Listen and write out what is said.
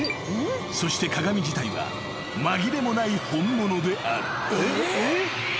［そして鏡自体は紛れもない本物である］